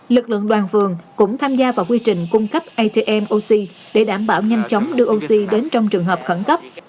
lực lượng đoàn phường cũng tham gia vào quy trình cung cấp atmoc để đảm bảo nhanh chóng đưa oxy đến trong trường hợp khẩn cấp